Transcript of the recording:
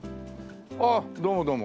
あっどうもどうも。